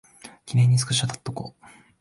記念にスクショ撮っとこ